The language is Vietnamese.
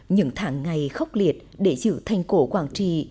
những tháng ngày khốc liệt để giữ thành cổ quảng trì